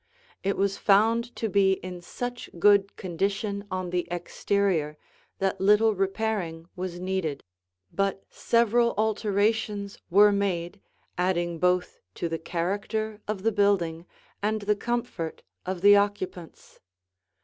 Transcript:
It was found to be in such good condition on the exterior that little repairing was needed, but several alterations were made, adding both to the character of the building and the comfort of the occupants.